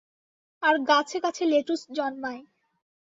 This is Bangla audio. আর গাছে গাছে লেটুস জন্মায়।